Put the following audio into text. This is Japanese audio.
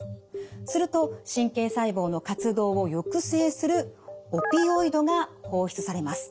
すると神経細胞の活動を抑制するオピオイドが放出されます。